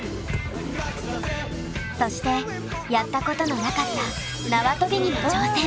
そしてやったことのなかったなわとびにも挑戦。